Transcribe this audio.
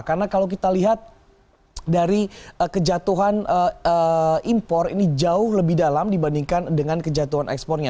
karena kalau kita lihat dari kejatuhan impor ini jauh lebih dalam dibandingkan dengan kejatuhan ekspornya